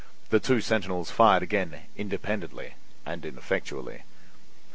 The two sentinels fired again, independently and ineffectually.